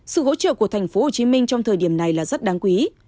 sự hỗ trợ của tp hcm trong thời điểm này là rất đáng quý